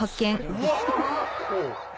うわっ！